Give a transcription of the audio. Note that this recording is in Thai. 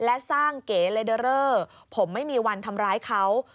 และสร้างเก๋เลเดอเรอร์ผมไม่มีวันทำร้ายเขา